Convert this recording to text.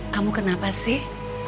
kamu kenapa sih